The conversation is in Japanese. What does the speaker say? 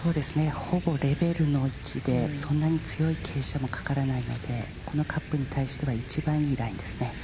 ほぼレベルでそんなに強い傾斜もかからないので、カップに対しては一番いいラインですね。